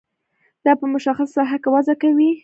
دا په مشخصه ساحه کې وضع کیږي.